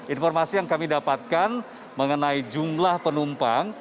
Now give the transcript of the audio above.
informasi yang kami dapatkan mengenai jumlah penumpang